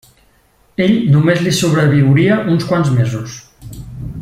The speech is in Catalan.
Ell només li sobreviuria uns quants mesos.